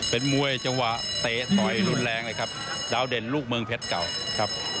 เป็นมวยจังหวะเตะถอยรุนแรงดาวเด่นลูกเมืองเพชรเก่า